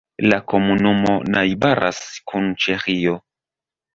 La komunumo najbaras kun Ĉeĥio.